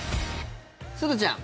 すずちゃん